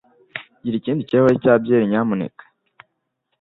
Gira ikindi kirahure cya byeri, nyamuneka.